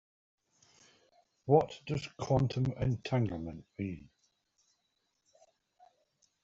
What does Quantum entanglement mean?